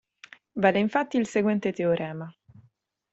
Vale infatti il seguente teorema.